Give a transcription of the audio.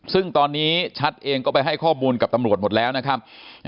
ซึ่งตอนนี้ชัดเองก็ไปให้ข้อมูลกับตำรวจหมดแล้วนะครับ